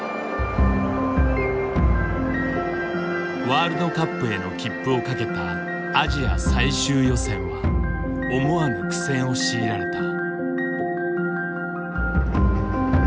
ワールドカップへの切符をかけたアジア最終予選は思わぬ苦戦を強いられた。